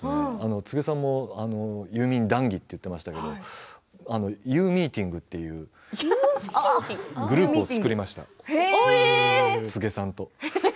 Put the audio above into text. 柘植さんもユーミン談義と言っていましたけれどユーミーティングとグループを作りました柘植さんと。